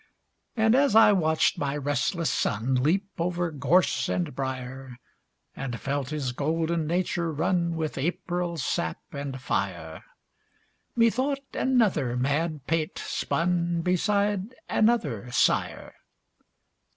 And as I watched my restless son Leap over gorse and briar, And felt his golden nature run With April sap and fire, Methought another madpate spun Beside another sire.